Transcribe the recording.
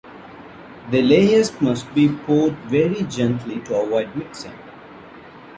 The layers must be poured very gently to avoid mixing.